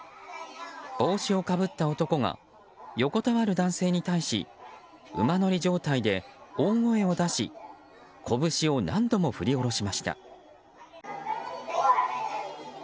帽子をかぶった男が横たわる男性に対し馬乗り状態で、大声を出し拳を何度も振り下ろしました。